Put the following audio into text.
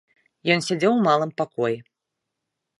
Ён сядзеў у малым пакоі.